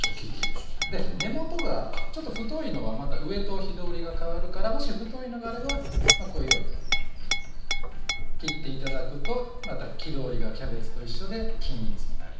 で根元がちょっと太いのはまた上と火通りが変わるからもし太いのがあればこういうように切って頂くとまた火通りがキャベツと一緒で均一になりますね。